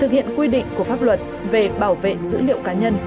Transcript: thực hiện quy định của pháp luật về bảo vệ dữ liệu cá nhân